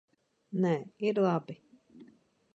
Nē, ir labi.